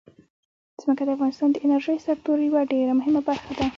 ځمکه د افغانستان د انرژۍ سکتور یوه ډېره مهمه برخه ده.